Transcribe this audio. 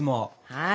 はい。